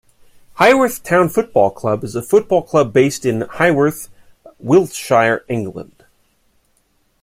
Highworth Town Football Club is a football club based in Highworth, Wiltshire, England.